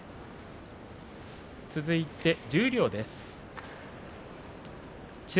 続いて十両です。